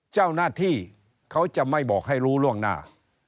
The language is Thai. เจ้าหน้าที่เขาจะไม่บอกให้รู้ล่วงหน้า